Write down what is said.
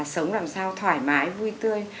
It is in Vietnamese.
sống làm sao thoải mái vui tươi